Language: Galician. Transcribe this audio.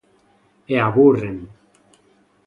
E aburren.